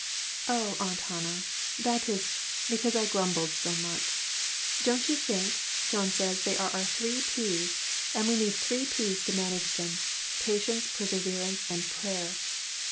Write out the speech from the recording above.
"Oh, Aunt Hannah, that is because I grum bled so much. Don't you think, John says they are our three <P's,' and we need three <PV to manage them patience, perseverance and prayer.